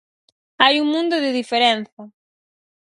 ¡Hai un mundo de diferenza!